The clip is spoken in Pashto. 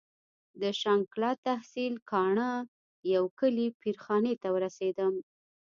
د شانګله تحصيل کاڼه يو کلي پير خاني ته ورسېدم.